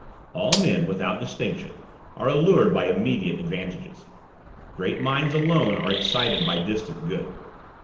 All men, without distinction, are allured by immediate advantages; great minds alone are excited by distant good.